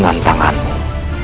lihat yang aku lakukan